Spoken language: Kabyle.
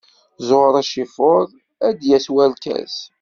Zzuɣer acifuḍ, ar d-yas-warkas.